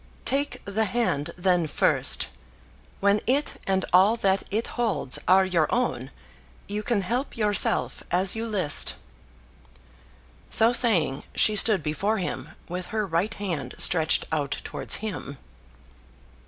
"Take the hand then first. When it and all that it holds are your own, you can help yourself as you list." So saying, she stood before him with her right hand stretched out towards him.